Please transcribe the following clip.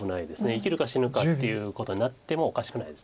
生きるか死ぬかっていうことになってもおかしくないです。